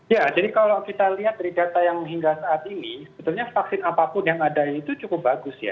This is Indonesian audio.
ya jadi kalau kita lihat dari data yang hingga saat ini sebetulnya vaksin apapun yang ada itu cukup bagus ya